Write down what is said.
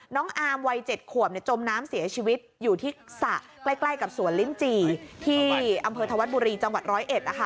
อามวัย๗ขวบจมน้ำเสียชีวิตอยู่ที่สระใกล้กับสวนลิ้นจี่ที่อำเภอธวัฒนบุรีจังหวัดร้อยเอ็ด